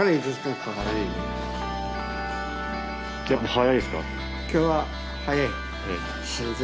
早いですか？